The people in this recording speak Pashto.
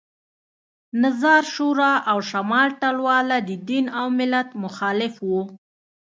نظار شورا او شمال ټلواله د دین او ملت مخالف وو